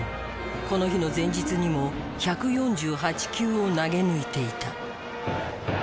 この日の前日にも１４８球を投げ抜いていた。